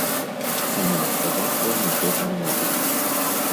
Таму адказаць вам нічога не магу.